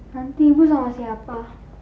nanti ibu sama siapa